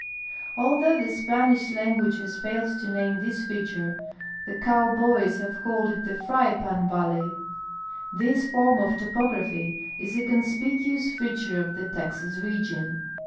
Although the Spanish language has fiiled to name this feature, the coAvboys have called it the " Fry pan valley." This form of topography is a conspicuous feature of the Texas region.